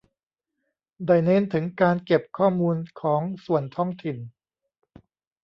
ได้เน้นถึงการเก็บข้อมูลของส่วนท้องถิ่น